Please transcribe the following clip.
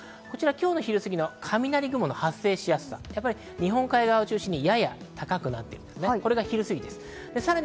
今日のお昼過ぎの雷雲の発生しやすさ、日本海側を中心にやや高くなっています。